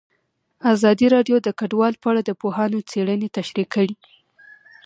ازادي راډیو د کډوال په اړه د پوهانو څېړنې تشریح کړې.